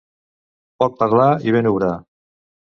Poc parlar i ben obrar.